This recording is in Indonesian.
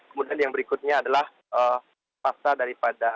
kemudian yang berikutnya adalah pasta daripada